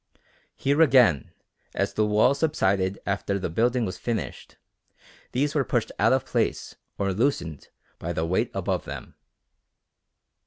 Here again, as the wall subsided after the building was finished, these were pushed out of place or loosened by the weight above them.